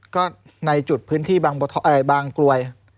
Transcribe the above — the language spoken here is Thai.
ก็ในจุดพื้นที่บางกลวย